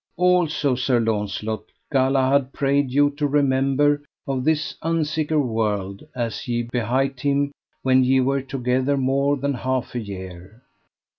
Also, Sir Launcelot, Galahad prayed you to remember of this unsiker world as ye behight him when ye were together more than half a year.